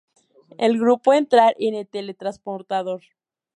El grupo entrar en el teletransportador.